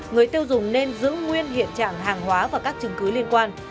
người tiêu dùng nên giữ nguyên hiện trạng hàng hóa và các chứng cứ liên quan